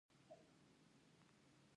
ایا زه برېس لګولی شم؟